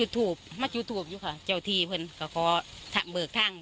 ต้อมหัวฉุนที่เขา